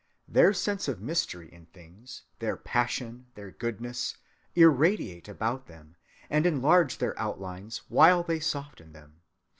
Their sense of mystery in things, their passion, their goodness, irradiate about them and enlarge their outlines while they soften them.